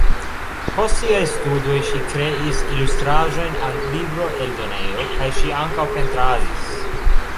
Post siaj studoj ŝi kreis ilustraĵojn al libroeldonejo kaj ŝi ankaŭ pentradis.